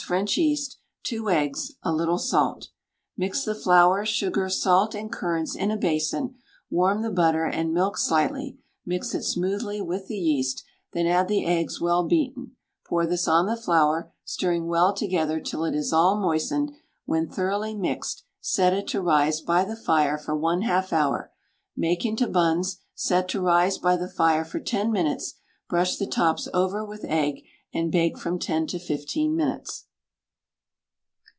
French yeast, 2 eggs, a little salt. Mix the flour, sugar, salt, and currants in a basin, warm the butter and milk slightly, mix it smoothly with the yeast, then add the eggs well beaten; pour this on the flour, stirring well together till it is all moistened; when thoroughly mixed, set it to rise by the fire for 1/2 hour; make into buns, set to rise by the fire for 10 minutes, brush the tops over with egg, and bake from 10 to 15 minutes.